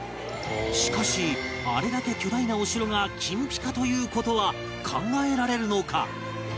しかしあれだけ巨大なお城が金ピカという事は考えられるのか？